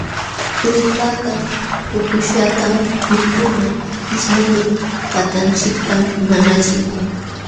Ruurtata puquśhqallatam mikuna ismuqlul patanchiktam nanachikun.